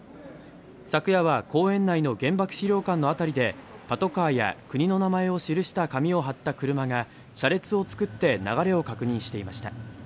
昨夜は公園内の原爆資料館のあたりで、パトカーや国の名前を記した紙を貼った車が、車列を作って流れを確認していました。